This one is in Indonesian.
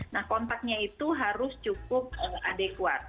nah kontaknya itu harus cukup adekuat